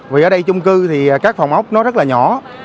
vì ở đây chung cư thì các phòng ốc nó rất là nhỏ